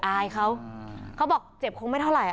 อายเขาเขาบอกเจ็บคงไม่เท่าไหร่